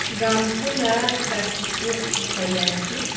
¿qamkuna takiykuqku kayanki?